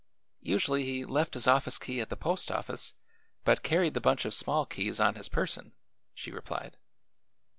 "Usually he left his office key at the post office, but carried the bunch of small keys on his person," she replied.